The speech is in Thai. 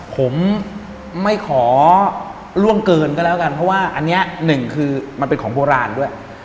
ผมไม่ขอล่วงเกินก็แล้วกันเพราะว่าอันนี้หนึ่งคือมันเป็นของโบราณด้วย